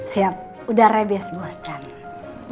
siap udah rebes bosan